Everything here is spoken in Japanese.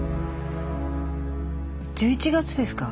１１月ですか？